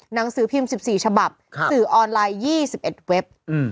หนังสือพิมพ์๑๔ฉบับสื่อออนไลน์๒๑เว็บ